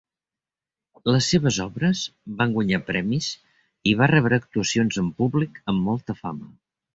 Les seves obres van guanyar premis i va rebre actuacions en públic amb molta fama.